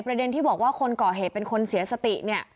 ประเด็นที่บอกว่าคนก่อเหตุเป็นคนเสียสติเนี่ย